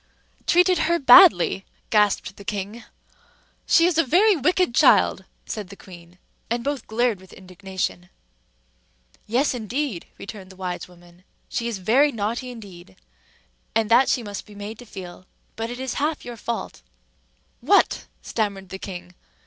"Treated her badly?" gasped the king. "She is a very wicked child," said the queen; and both glared with indignation. "Yes, indeed!" returned the wise woman. "She is very naughty indeed, and that she must be made to feel; but it is half your fault too." "What!" stammered the king.